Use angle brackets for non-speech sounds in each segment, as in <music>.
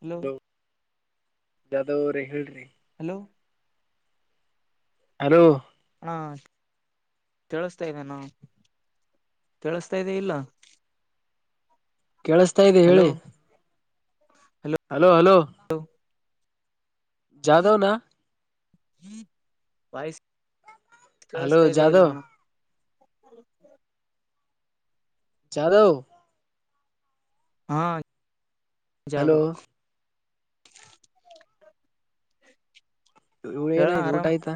Hello ಜಾದ್ರೀ ಹೇಳ್ರಿ hello ಅ ಹಾ ತಿಳ್ಸ್ತಾ ಇದ್ದೇ ನಾ ಕೇಳಸ್ತಾ ಇದದೆೆ ಇಲ್ಲ ಕೇಳಸ್ತಾ ಇದದೆ ಹಲೋ ಹೇಳಿ ಹಲೋ ಹಲೋ ಜಧವ ನ ವಾಯಸ್ ಹಲೋ ಕೇಳಸ್ತಾ ಇದದೆ ಜಾಧವ್ ಇಲ್ಲಣ ಹ ಜಧವ ಹಾ ಜಾದ ಹಲೋ ಹೇಳಣ ಏನಾಯ್ತು ಊಟ ಆರಾಮ್ ಆಯ್ತಾ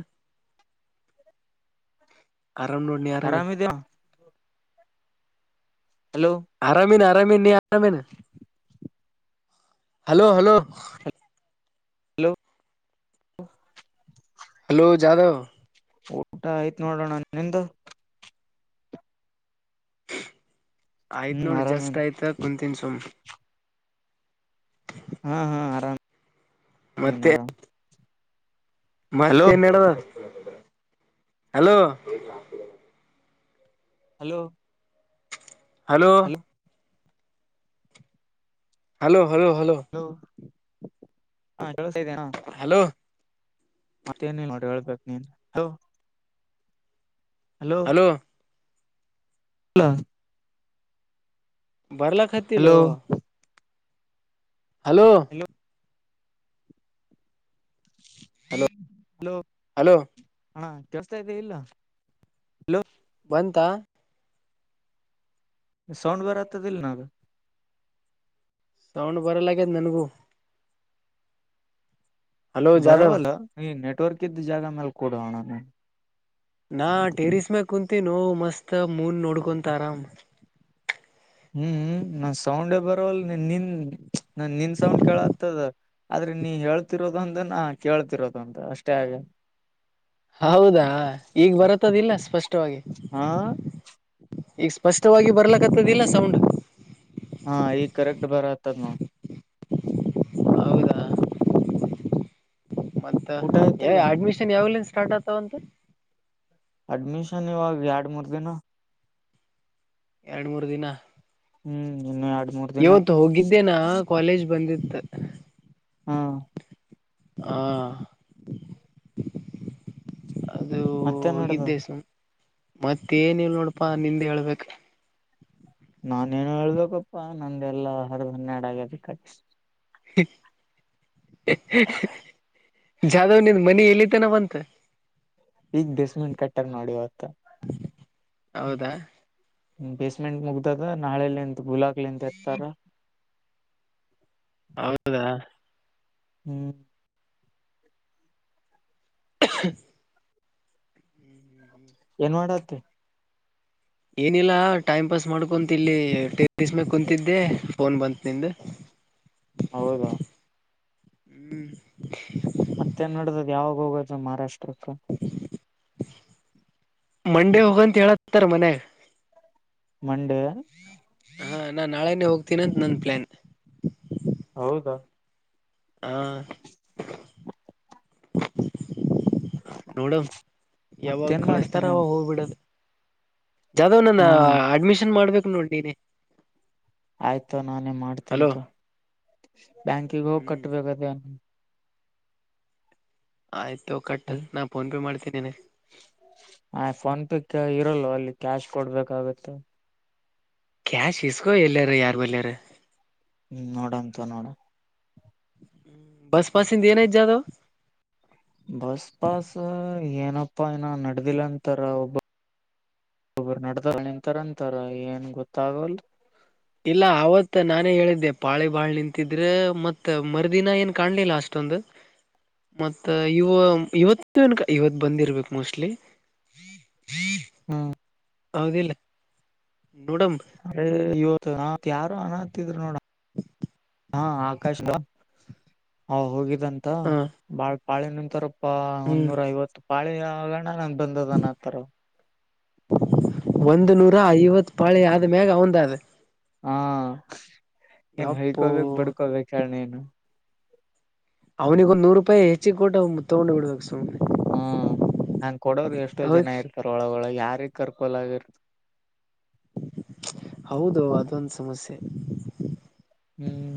ಆರಾಮ ನೋಡಿ ನೀ ಆರಾಮೇ ಆರಾಮಿದ್ಯಾ ಹಲೋ ಆರಾಮ ನೀ ಆರ ಮೇನ್ hello hello. Hello. Hello Jadhav. ಊಟ ಆಯ್ತ್ ನೋಡೋಣ ನಿಂದು ಆಯ್ತ್ ಹ್ಮ್ ನೋಡಿ ಆರಾಮೇನ್ ಜಸ್ಟ್ ಆಯ್ತ ಕುಂತನ್ ಸುಮ್ ಹಾ ಹಾ ಆರಾಮ ಆ ಆರಾಮ ಮತ್ತೇನ್ಡದ hello hello hello hello hello hello ಹಾ ಕೆಲಸ ಇದ್ದೇನಾ ಹಲೋ ಮತ್ತೇನ ನೋಡಿ ಹೇಳ್ಬೇಕ ನೀನ್ ಹ ಹಲೋ. ಇಲ್ಲ ಹಲೋ ಬರ್ಲಾಕತ್ತಿಲ್ಲೋ. ಹಲೋ. Hello hello. ಹಾ ಕೆಳ್ಸ್ತಾ ಇದ್ದೇ ಇಲ್ಲೊ ಹಲೋ. ಅಂತ. ಸೌಂಡ ಬರತದೀಲ್ಲ ನ ಗ. ಸೌಂಡ್ ಬರಲಗೇದ ನನ್ಗೂ. ಹಲೋ ಜಾಧವ್ ಬರವಲ್ಲ ಈ ನೆಟ್ವರ್ಕ್ ಇದ್ದ ಜಾಗ ಮ್ಯಾಲ ಕೊಡೋಣ ನೀ. ನಾ ಟೆರಿಸ್ ಮ್ಯಾಗ ಕುಂತೀನೋ ಮಸ್ತ್ ಮೂನ್ ನೋಡ್ಕೊಂತ ಆರಾಮ್. ಹ್ಮ್ ನಾನ್ ಸೌಂಡೆ ಬರಲ್ಲ ನಿನ್ ನಿಂದ. ಹ್ಮ ನ ನಿನ್ ಸೌಂಡ ಕೇಳತ್ತದ ಆದ್ರೆ ನೀ ಹೇಳ್ತಿರೋ. ಒಂದ ನಾ ಕೇಳ್ತಿರೋದು ಅಂತ ಅಷ್ಟೇ ಹಾಗೆ. ಹೌದಾ ಈಗ್ ಬರತ್ತದಿಲ್ಲ ಸ್ಪಷ್ಟವಾಗಿ. ಹಾ ಈಗ ಸ್ಪಷ್ಟವಾಗಿ ಬರ್ಲಕ್ಕತದಿಲ್ಲ ಸೌಂಡ್. ಹಾ ಈಗ ಕರೆಕ್ಟ್ ಬರಾತದ ನೋಡ್. ಹೌದಾ ಮತ್ತ ಊಟ ಆಯ್ತಿಲ್ಲ ಅಡ್ಮಿಷನ್ ಯಾವಲಿಂದ ಸ್ಟಾರ್ಟ್ ಆತಾವಂತ. ಅಡ್ಮಿಷನ್ ಇವಾಗ ಎರಡು ಮೂರ್ ದಿನ. ಎರಡು ಮೂರು ದಿನ. ಹ್ಮ್ ಇನ್ನು ಆ. ಇವತ್ತು ಹೋಗಿದ್ದೇನಾ ಕಾಲೇಜ್ ಬಂದಿತ್ತು. ಹಾ ಹಾ. ಅದು ಮತ್ತೆ ನಡ್ದ ಹೋಗಿದ್ದೆ ಸ. ಮತ್ತೇನಿಲ್ಲ ನೋಡಪಾ ನಿಂದ ಹೇಳ್ಬೇಕ. ನಾನೇನು ಹೇಳ್ಬೇಕಪ್ಪಾ ನಂದ್ದ ಎಲ್ಲ ಹರದ ಹನ್ನೆರಡು ಆಗೇತಿ ಕಟ್ಟ. ಜಾಧವ್ನಿಂದ ಮನ ಎಲ್ಲಿ. ತನ ಬಂತ. ಈಗ್ ಬೇಸಮಂಟ್ ಕಟ್ಟರ್ ಮಾಡತ್ತ. ಹೌದಾ ಬೇಸ್ಮೆಂಟ್ ಮುಗ್ದದ ನಾಳೆಲಿಂತ ಗುಲಾಕ್ಲಿಂತ ಇರ್ತಾರ. ಹೌದಾ. ಹ್ಮ್. <unintelligible> ಏನ್ ಮಾಡತಿ. ಏನಿಲ್ಲಾ ಟೈಮ್ ಪಾಸ್ ಮಾಡ್ಕೊಂತ ಇಲ್ಲಿ ಟೆರಸ ಮೇಲೆ ಕುಂತಿದ್ದೆ. ಫೋನ್ ಬಂತ ನಿಂದ. ಹೌದಾ. ಹ್ಮ್. ಮತ್ತೆ ನಡದದ ಯಾವಾಗ ಹೋಗೋದು ಮಹಾರಾಷ್ಟ್ರಕ್ಕ ಮಂಡೇ ಹೋಗಂತ ಹೇಳತ್ತಾರ ಮನೆಗ್ ಮಂಡ ಹಾ ನಾನ್ ನಾಳೆನೆ ಹೋಗ್ತೀನಂತ ನನ್ ಪ್ಲಾನ್. ಹೌದು. ಹಾ. ನೋಡೊಣ ಯಾವಾಗ ಮತ್ತೇನ್ ಕಳಸ್ತಾರ ಮಾಡ್ತೇನೆ ಅವಾಗ ಹೋಗ್ಬಿಡದು. ಜಾಧವ್ ನನ್ನ ಹಾ ಅಡ್ಮಿಷನ್ ಮಾಡ್ಬೇಕು ನೋಡ್ ನೀನೆ. ಆಯ್ತು ನಾನೇ ಹಲೋ ಮಾಡ್ತಂತು ಬ್ಯಾಂಕಿಗೆ ಹೋಗಿ ಹ್ಮ್ ಕಟ್ಟಬೇಕ್. ಆಯ್ತು ಕಟ್ಟ ನಾ ಫೋನ್ ಪೇ ಮಾಡ್ತೇನಿಂಗ. ಆ ಫೋನ್ ಪೇ ಅಲ್ಲಿ ಕ್ಯಾಶ್ ಕೊಡ್ಬೇಕಾಗುತ್ತೆ. ಕ್ಯಾಶ್ ಇಸ್ಕೋ ಎಲ್ಲಾರ ಯಾರ ಅಲ್ಲರ. ಹ್ಮ್ ನೋಡಂತ ನೋಡ ಬಸ್ಪಾಸಿಂದೆೆಯನ ಜಾದವ ಬಸ್ ಪಾಸ್ ಏನಪ್ಪಾ ಏನ ನಡ್ದಿಲ್ಲ ಅಂತಾರ ಒಬ್ಬ ಒಬರು ನಡ್ದ ನಿಂತಾರಂತಾರ ಏನ್ ಗೊತ್ತಾಗಲ್ ಇಲ್ಲ ಅವತ್ ನಾನೇ ಹೇಳಿದ್ದೆ ಪಾಳಿ ಬಾಳ್ ನಿಂತಿದ್ರೆ ಮತ್ ಮರುದಿನ ಏನ್ ಕಾಣ್ಲಿಲ್ಲ ಅಷ್ಟು ಂದು ಮತ್ತ ಇ ಇವತ್ತು ಏನ ಇವತ್ ಬಂದಿರ್ಬೇಕು ಮೋಸ್ಟ್ಲಿ ಹ್ಮ್ ಹೌದಿಲ್ಲ ನಡಂ ಅ ಇವತ್ತು ಯಾರು ಅನ ಹತ್ತಿದ್ರು ನೋಡ ಹಾ ಆಕಾಶ ಹ ಹೋಗಿದಂತ ಹ ಬಾಳ್ ಪಾಳೆ ನಿಂತಾರ ಹ್ಮ್ ಒನ್ನೂರ ಐವತ್ತು ಪಾಳಿ ಆಗೋಣ ನನ್ ಬಂದದನ್ನತಾರ ಒಂದು ನೂರ ಐವತ್ತು ಪಾಳಿ ಆದ ಮ್ಯಾಗ ಒಂದ ಅಾದ ಹಾ ಏನ್ ಯಪ್ಪೋ ಹೈಕೋಬೇಕು ಬಡ್ಕೋಬೇಕ ಎಣ ಏನು ಅವನಿಿಗೆ ಒಂದು ನೂ ರೂಪಾಯ ಹೆಚ್ಚಿ ಕೊಟ್ಟ ಮು ತಗೊಂಡ್ ಹಡಬೇಕಕ್ ಹ್ಮ್ ಹಂಗ್ ಕೊಡೋರು ಎಷ್ಟೋ ಹೌ ಜನ ಇರ್ತಾರ ಒಳಗೊಳ ಯಾರಿಗ್ ಕರ್ಕೊಲಾಗಿರ್ ಹೌದು ಅದೊಂದ ಸಮಸ್ಯೆ ಹ್ಮ್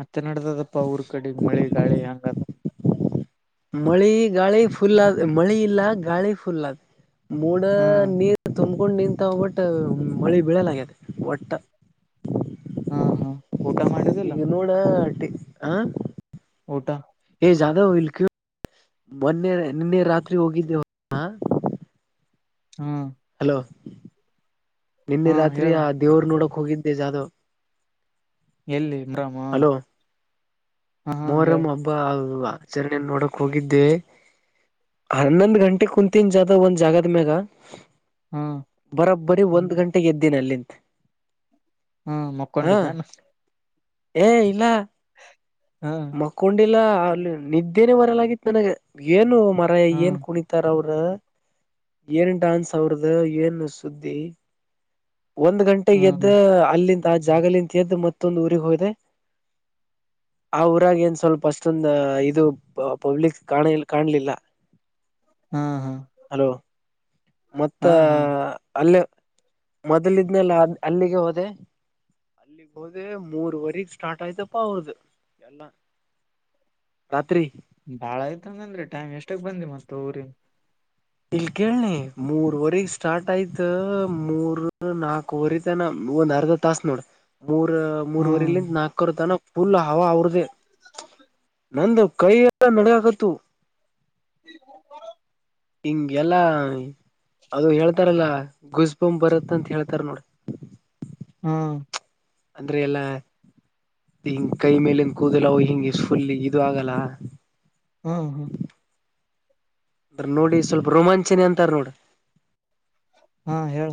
ಮತ್ತೆ ನಡದದಪ್ಪ ಊರ್ ಕಡೆ ಮಳೆ ಗಾಳಿ ಹಂಗ ಮಳಿ ಗಾಳಿ ಫುಲ್ ಆದ ಮಳಿ ಇಲ್ಲ ಗಾಳಿ ಫುಲ್ ಆದ ಮೂಡ ಹ್ಮ್ ನೀರ್ ತಂಬ್ಕೊಂಡ್ ನಿಂತ ಹೋಗ್ಬಟ್ಟ ಮಳಿ ಬೀಳಲಗ್ಯತೆ ಒಟ್ಟ ಹಾ ಹಾ ಊಟ ಮಾಡುದಿಲ್ಲ ಈಗ ನೋಡ ಹ ಜ ಮೊನ್ನೆ ನಿನ್ನೆ ರಾತ್ರಿ ಹೋಗಿದ್ದೆ ಹಾ ಹಲೋ ನಿನ್ನೆ ಹ್ಮ ರಾತ್ರಿ ಹೇಳ ಆ ದೇವರು ನೋಡ ಖಗಿ್ದ ಜಾದ ಎಲ್ಲಿ ಇಮ್ರಾಮ ಹಲೋ ಹ ಹಾ ಮೋರಂ ಹೇಳ ಹಬ್ಬ ಆಗುವ ಆಚರಣೆ ನೋಡಕ್ ಹೋಗಿದ್ದೆ ಹನ್ನೊಂದ್ ಗಂಟೆ ಕುಂತಿನ ಜತ ಒಂದ್ ಜಾಗದ ಮ್ಯಾಗ ಹ್ಮ ಬರೀ ಒಂದ್ ಗಂಟೆ ಎದ್ದನ ಅಲ್ಲಿಂತ ಹ್ಮ ಹ ಮಕ್ಕೊಂಡಿದ್ದೇ ಏ ಇಲ್ಲ ಹ್ಮ್ ಮಕ್ಕೊಂಡಿಲ್ಲ ಅಲ್ಲಿ ನಿದ್ದೇನೆ ಬರಲಾಗಿತ್ತು ನನಗ ಏನು ಮರಯ ಹ್ಮ್ ಏನ್ ಕುಣಿತಾರ ಅವರು ಏನ್ ಾನ್ ಸಾವಿ್ರದ ಏನು ಸುದ್ದಿ ಒಂದ್ ಗಂಟೆ ಹ್ಮ್ ಎದ್ದ ಅಲ್ಲಿಂದ ಆಾ ಜಾಗಲಿಂತ್ದೆ ಮತ್ತೊಂದು ಊರಿಗೆ ಹೋದೆ ಆ ಊರಾಗ ಏನ್ ಸ್ವಲ್ಪ ಅಷ್ಟೊಂದ ಇದು ಪಬ್ಲಿಕ್ ಕಾಣ ಕಾಣ್ಲಿಲ್ಲ. ಹ್ಮ್ ಹ್ಮ್ ಹಲೋ ಮತ್ತ ಹಾ ಹಾ ಅಲ್ಲಿ. ಮೊದಲಿದ್ನೆಲ್ಲ ಅಲ್ಲಿಗೆ ಹೋದೆ ಅಲ್ಲಿಗ್ ಹೋದೆ ಮೂರ್ವರೆಗ್ ಸ್ಟಾರ್ಟ್ ಆಯ್ತಪ್ಪ ಅವ್ರ್ದ ಎಲ್ಲ ರಾತ್ರಿ ಬಾಳ ಆಯ್ತಂಗನ್್ರರಿ ಟೈಮ್ ಎಷ್ಟಕ್ ಬಂದಿ ಮತ್ತ ಊರಿ ಇಲ್ ಕೇಳನಿ ಮೂರ್ವರೆಗ್ ಸ್ಟಾರ್ಟ್ ಆಯ್ತ ಮೂರ್ ನಾಕವರೆ ತನ ಒಂದ್ ಅರ್ಧ ತಾಸ ನೋಡ ಮೂರ್ ಮೂರವರೆಲಂದ ಹ್ಮ್ ನಾಲ್ಕವರ್ ತನ ಫುಲ್ ಹವ ಅವ್ರದೇ ಹ ನಂದು ಕೈ ಎಲ್ಲ ನಡಗಕತ್ತುು <inaudible> ಇಂಗ ಎಲ್ಲ. ಅದು ಹೇಳ್ತಾರಲ್ಲಾ ಗುಜಬಂಬ್ ಬರತ್ ಅಂತ ಹೇಳ್ತಾರ ನೋಡ. ಹ್ಮ್. ಅಂದ್ರೆ ಎಲ್ಲಾ. ಹಿಂಗ ಕೈ ಮೇಲಿಂದ ಕೂದಿಲ್ಲ ಅವ ಹಿಂಗ ಫುಲ್ ಇದು ಆಗಲ್ಲ. ಹ್ಮ್ ಹ್ಮ್. ಅಂದ್ರ ನೋಡಿ ಸ್ವಲ್ಪ ರೋಮಾಂಚನ ಅಂತಾರ ನೋಡ್ ಹಾ ಹೇಳ.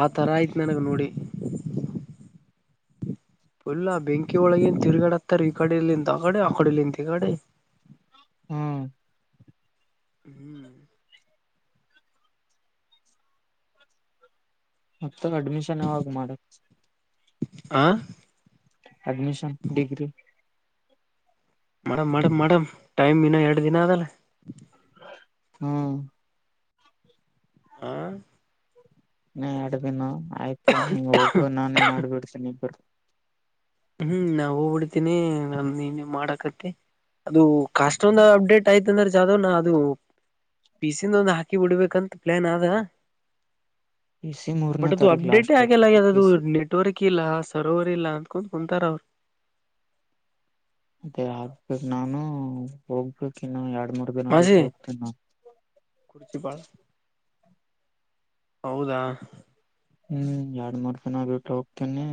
ಆ ತರ ಆಯ್ತ್ ನನಗೆ ನೋಡಿ. ಪುಲ್ಲಾ ಬೆಂಕಿ ಒಳಗಿಂದ ತಿರ್ಗಡೆ ಹತ್ತಾರ ಈ ಕಡೆಲಿಂತ ಆ ಕಡೆ ಆ ಕಡೆಲಿಂತ ಈ ಕಡೆ. ಹ್ಮ್. ಹ್ಮ್. ಅಡ್ಮಿಷನ್ ಯಾವಾಗ ಮಾಡ. ಆ. Admission degree. Madam madam madam time ಇನ್ನ ಎರಡು ದಿನ ಅದಲ್ಲ. ಹೂಂ. ಹಾ. ಇನ ಎರಡ್ದಿನ ಆಯ್ತು ನೀಂಗ ಹೋಗು ನಾನೇ ಮಾಡ್ಬಿಡ್ತೇನೆ ಬಿಡ್ತೀನಿ. ಹ್ಮ್ ನಾವ ಹೋಗ್ಬಿಡ್ತನೀ ನಾನ ನೀ ಮಾಡಕತ್ತಿ ಅದು. ಕಷ್ಟೊಂದು ಅಪ್ಡೇಟ್ ಆಯ್ತ ಅಂದ್ರೆ ಜಾದವ್ ನಾ ಅದು. ಪೀಸಿಂದೊಂದು ಹಾಕಿ ಬಿಡ್ಬೇಕಂತ ಪ್ಲಾನ್ ಆದ. ಈ ಸಿ ಮೂರನೇ ಬಟ್ ತಾರೀಕು ಲಾಸ್ಟ್ ಡೇಟ್ ಆ ಪಿ ಸಿ. ಕ್ಕಿಲ್ಲ ಸರ್ವರ್ ಇಲ್ಲ ಅನ್ಕೊಂತಾ ಕುಂತರ ಅವರು. ಅದೇ ಆಗ್ಬೇಕ ನಾನು ಹೋಗ್ಬೇಕು ಇನ್ನು ಎರಡು. ಮೂರು ದಿನ ಬಿಟ್ಟ ಮಾಸಿ ಹೋಗ್ತೀನಿ ನಾ. ಕುರ್ಚಿ ಬಾಳ ಹೌದಾ. ಹ್ಮ್ ಎರಡ್ ಮಾಡ್ತನ ಬಿಟ್ಟ ಹೋಗ್ತೇನೆ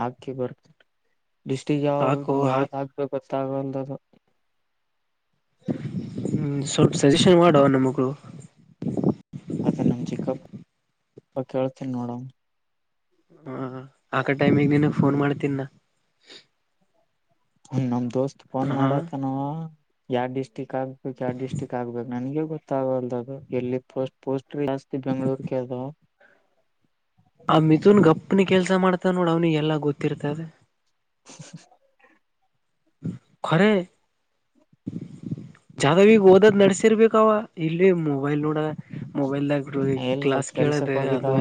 ಹಾಕಿ ಬರ್ತೀನಿ. ಡಿಸ್ಟಿಕ್ ಯಾವ ಹಾಕು ಹಾಕ್ ಯಾವ್ದ ಆಗ್ಬೇಕು ಗೊತ್ತಾಗಲ್ಲದು. ಹ್ಮ್ ಸ್ವಲ್ಪ ಸಜೆಷನ್ ಮಾಡೋ ನಮ್ಗೂ. ಅದನ್ನ ನಮ ಚಿಕ್ಕಪ್ ಕೇತೀನಿ ನೋಡಣ. ಹ ಆಕ ಟೈಮಿಗೆ ನೀನ ಫೋನ್ ಮಾಡ್ತೀನ ನಾ. ಹ ನಮ್ ದೋಸ್ತ್ ಫೋನ್ ಮಾಡತನಾವ ಯಾರ್ ಡಿಸ್ಟ್ರಿಕ್. ಯ ಡಿಸ್ಟ್ರಿಕ್ ಆಗ್ಬೇಕ ನನಗೆ. ಗೊತ್ತಾಗಲ್ದ ಅದು ಎಲ್ಲಿ ಪೋಸ್ಟ್ ಪೋಸ್ಟ್ ಜಾಸ್ತಿ ಬೆಂಗಳೂರ್ಗೆ ಅದ. ಆ ಮಿಥುನ್ ಗಪ್ನ ಕೆಲ್ಸ ಮಾಡ್ತಾನ ನೋಡು ಅವ್ನಿಗೆ ಎಲ್ಲ ಗೊತ್ತಿರ್ತದೆ. <unintelligible> ಅರೆ. <unintelligible> <inaudible> ಜಾದಾವ ಈಗ ಓದದ್ ನಡಸಿರ್ಬೇಕಾವ ಇಲ್ಲಿ ಮೊಬೈಲ್ ನೋಡ ಮೊಬೈಲ್ದಾಗ. ಇ ಈ ಎಲ್ಲಿ ಕ್ಲಾಸ್ ಇವತ್ ಕೆಲ್ಸಕ್ ಕೇಳಿದೆೆ ಅದು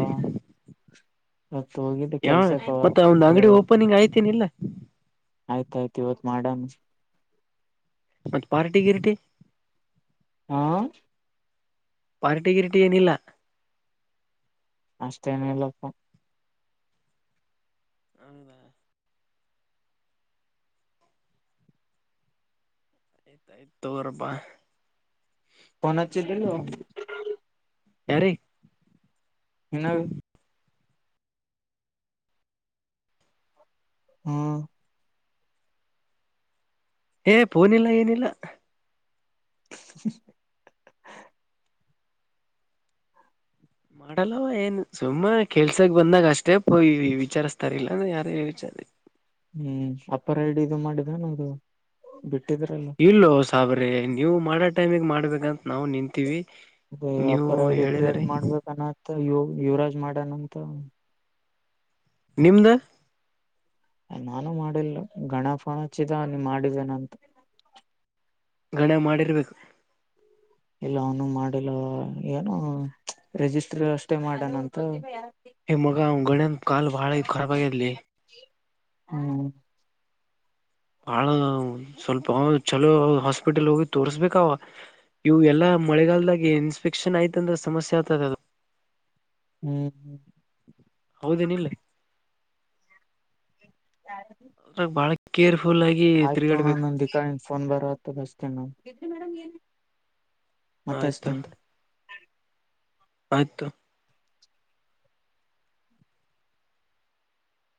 ಇವತ್ತು ಹೋಗಿದ್ದು ಯಾವ ಕೆಲ್ಸಕ್ಕೆ ಮತ್ತ ಒಂದ್ ಅಂಗಡಿ ಓಪನಿಂಗ್ ಆಯ್ತೇನಿಲ್ಲ ಆಯ್ತಾಯ್ತು ಇವತ್ತು. ಮಾಡೋಣ. ಮತ್ತ ಪಾರ್ಟಿ ಗಿರಟಿ. ಹಾ. ಪಾರ್ಟಿ ಗಿರ್ಟಿ ಏನಿಲ್ಲ. ಅಷ್ಟೇನ ಇಲ್ಲಪ್ಪ. ಹೌದಾ ಆಯ್ತ ಆಯ್ತ ತೊಗೊರ ಬಾ. ಫೋನ್ ಹಚ್ಚಿದ್ದಿಲ್ಲ ಯಾರ ಹ ಹ್ಮ ಏ ಫೋನಿಲ್ಲ ಏನಿಲ್ಲ ಮಾಡಲ್ಲವ ಏನು ಸುಮ್ಮ ಕೆಲ್ಸಕ್ ಬಂದಾಗ ಅಷ್ಟೇ ಪಯ ವಿಚಾರಸ್ತಾರಲ್ಲ ಯಾರ ವಿಚಾರ ಹ್ಮ್ ಅಪಡ್ ಇದು ಮಾಡಿದ ನದು ಬಿಟ್ಟ ಇಲ್ಲ ಸಾಬ್ರಿ ನೀವು ಮಾಡೋ ಟೈಮಿಗೆ ಮಾಡ್ಬೇಕಂತ ನಾವು ನಿಂತೀವಿ ಅದೇ ನೀವು ಅಪ್ಪರ್ ಐಡಿ ಕ್ರಿಯೇಟ್ ಹೇಳಿದ್ರೀ ಮಾಡ್ಬೇಕನ್ನತ್ತ ಯುವ ಯುವರಾಜ್ ಮಾಡನಂತ ನಿಮ್ದ ನಾನು ಮಾಡಿಲ್ಲ ಗಣಪನ ಹಚ್ಚಿದ ನೀನ್ ಮಾಡಿದ್ದೇನಂತ ಗಣ ಮಾಡಿರ್ಬೇಕು ಇಲ್ಲ ಅವನು ಮಾಡಿಲ್ಲ ಏನು ರಿಜಿಸ್ಟ್ರಿ ಅಷ್ಟೇ ಮಾಡಣಂತ ಈ ಮಗ ಅವ್ ಗಣ್ಯನ್ ಕಾಲ್ ಬಾಳ ಖರಾಬಾಗದ್ಲಿ ಹ್ಮ್ ಬಾಳ ಸ್ವಲ್ಪ ಚಲೋ ಹಾಸ್ಪಿಟಲ್ ಹೋಗಿ ತೋರ್ಸ್ಬೇಕಾವ ಇವು ಎಲ್ಲಾ ಮಳೆಗಾಲಲ್ದಾಗೆ ಇನ್ಸ್ಫೆಕ್ಷನ್ ಯ್ತಂದ್ರೆ ಸಮಸ್ಯೆ ಆಗ್ತದೆ ಅದು ಹ್ಮ ಹೌದೇನ ಇಲ್ಲ ಬಳ ಕರ್ ಆಯ್ತು ತೋಣ ನ ದಿಕಾನ್ ಫೋನ್ ಬರತ್ತ ಬಸ್ತೀನಿ ನ ಆಯ್ತಾ ಮತ್ತಷ್ಟತಂತ ಆಯ್ತು